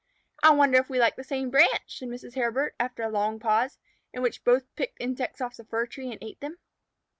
"I wonder if we like the same branch?" said Mrs. Hairbird, after a long pause, in which both picked insects off the fir tree and ate them.